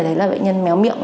thấy là bệnh nhân méo miệng